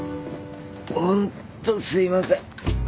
ホントすいませんあ。